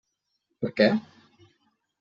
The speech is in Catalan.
Per què?